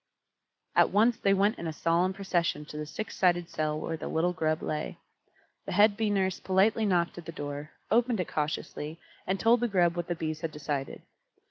At once they went in a solemn procession to the six sided cell where the little Grub lay. The head Bee Nurse politely knocked at the door, opened it cautiously, and told the Grub what the Bees had decided.